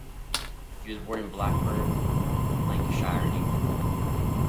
He was born in Blackburn, Lancashire, England.